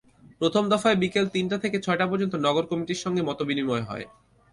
প্রথম দফায় বিকেল তিনটা থেকে ছয়টা পর্যন্ত নগর কমিটির সঙ্গে মতবিনিময় হয়।